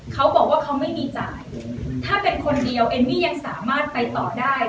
เขาบอกว่าเขาไม่มีจ่ายถ้าเป็นคนเดียวเอมมี่ยังสามารถไปต่อได้